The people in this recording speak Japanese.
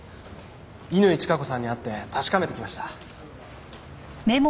乾チカ子さんに会って確かめてきました。